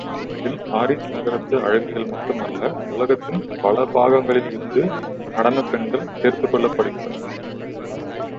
அதில் பாரிஸ் நகரத்து அழகிகள் மட்டும் அல்ல உலகத்தின் பல பாகங்களில் இருந்து நடனப் பெண்கள் சேர்த்துக்கொள்ளப்படுகின்றனர்.